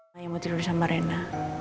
saya mau tidur sama rena